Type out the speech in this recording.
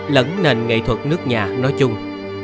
lẫn nền nghệ thuật nước nhà nói chung